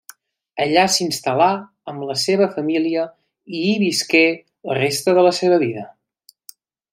Allà s'instal·là amb la seva família i hi visqué la resta de la seva vida.